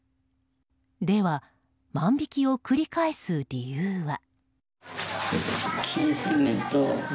では、万引きを繰り返す理由は。